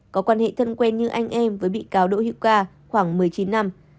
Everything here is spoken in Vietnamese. có quan hệ thân quen như anh em với bị cáo đỗ hữu ca khoảng một mươi chín năm